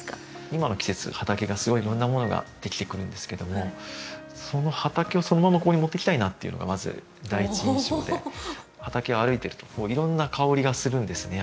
今の季節畑がすごい色んなものができてくるんですけどもその畑をそのままここに持ってきたいなっていうのがまず第一印象で畑を歩いてると色んな香りがするんですね